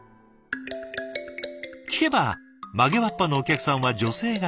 聞けば曲げわっぱのお客さんは女性が中心。